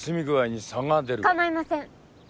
構いません。